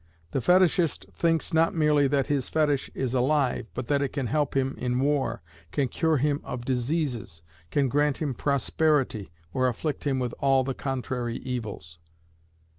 The Fetishist thinks not merely that his Fetish is alive, but that it can help him in war, can cure him of diseases, can grant him prosperity, or afflict him with all the contrary evils.